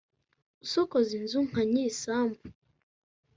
asokoza isunzu nka nyir’isambu